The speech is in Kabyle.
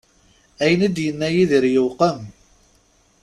Ayen i d-yenna Yidir yewqem.